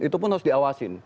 itu pun harus diawasin